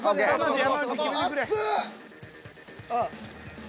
熱っ！